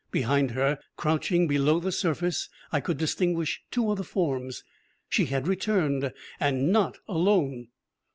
Behind her, crouching below the surface, I could distinguish two other forms. She had returned, and not alone!